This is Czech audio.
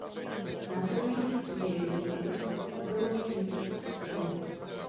Následující studie je jedno z Kubbelových mistrovských děl.